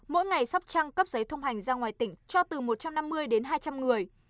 mỗi ngày sắp trăng cấp giấy thông hành ra ngoài tỉnh cho từ một trăm năm mươi đến hai trăm linh người